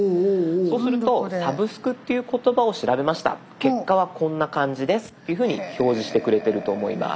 そうすると「サブスク」っていう言葉を調べました結果はこんな感じですっていうふうに表示してくれてると思います。